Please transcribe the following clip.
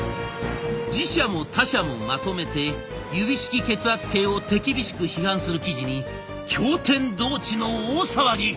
自社も他社もまとめて指式血圧計を手厳しく批判する記事に驚天動地の大騒ぎ。